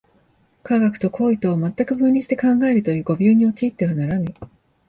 科学と行為とを全く分離して考えるという誤謬に陥ってはならぬ。